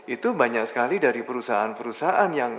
itu banyak sekali dari perusahaan perusahaan yang